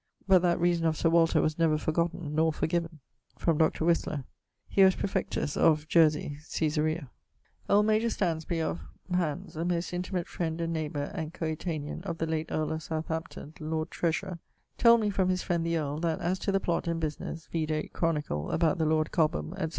But that reason of Sir Walter was never forgotten nor forgiven. [LXXII.] From Dr. Whistler. He was praefectus ( ...) of Jarsey (Caesaria). Old major[LXXIII.] Stansby of ..., Hants, a most intimate friend and neighbour and coetanean of the late earle of Southampton (Lord Treasurer), told me from his friend, the earle, that as to the plott and businesse (vide Chronicle) about the lord Cobham, etc.